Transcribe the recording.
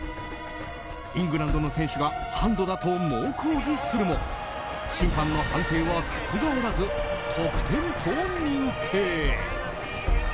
イングランドの選手がハンドだと猛抗議するも審判の判定は覆らず、得点と認定。